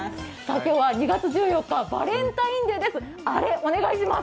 今日は２月１４日、バレンタインデーです。